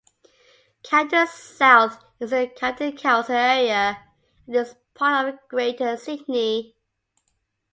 Camden South is in the Camden Council area and is part of Greater Sydney.